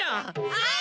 はい！